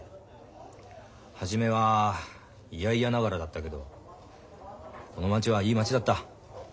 初めは嫌々ながらだったけどこの町はいい町だった。